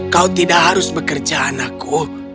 kau tidak harus bekerja anakku